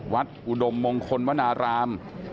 วัดอุดมมงคลวรราม